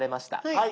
はい。